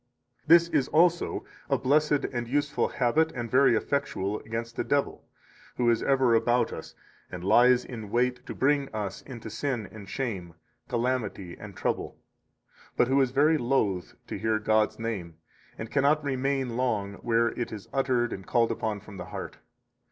71 This is also a blessed and useful habit and very effectual against the devil, who is ever about us, and lies in wait to bring us into sin and shame, calamity and trouble, but who is very loath to hear God's name, and cannot remain long where it is uttered and called upon from the heart.